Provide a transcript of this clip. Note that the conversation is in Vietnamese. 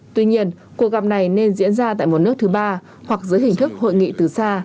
tuy nhiên cuộc gặp này nên diễn ra tại một nước thứ ba hoặc dưới hình thức hội nghị từ xa